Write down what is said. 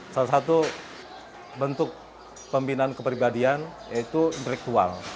salah satu bentuk pembinaan kepribadian itu direktual